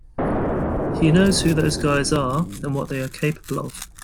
He knows who those guys are and what they are capable of.